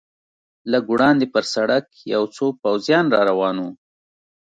لږ وړاندې پر سړک یو څو پوځیان را روان و.